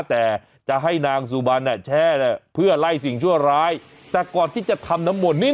แต่จะให้นางสุบันเนี่ยแช่เพื่อไล่สิ่งชั่วร้ายแต่ก่อนที่จะทำน้ำมนต์นี่